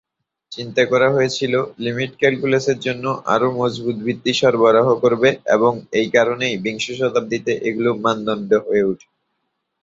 চিন্তা করা হয়েছিল লিমিট ক্যালকুলাসের জন্য আরও মজবুত ভিত্তি সরবরাহ করবে এবং এই কারণেই বিংশ শতাব্দীতে এগুলো মানদণ্ড হয়ে ওঠে।